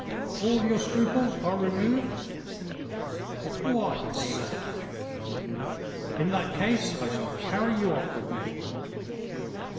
"All your scruples are removed?" "Quite so." "In that case I shall carry you off with me."